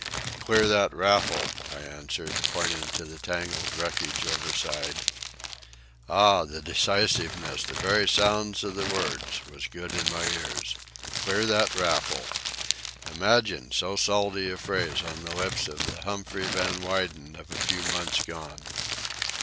"Clear that raffle," I answered, pointing to the tangled wreckage overside. Ah, the decisiveness, the very sound of the words, was good in my ears. "Clear that raffle!" Imagine so salty a phrase on the lips of the Humphrey Van Weyden of a few months gone!